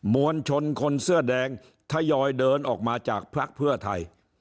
มวลชนคนเสื้อแดงทยอยเดินออกมาจากภักดิ์เพื่อไทย